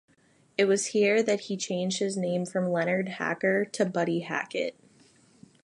It was here that he changed his name from Leonard Hacker to Buddy Hackett.